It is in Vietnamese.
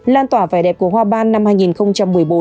lan tỏa vẻ đẹp của hoa ban năm hai nghìn một mươi bốn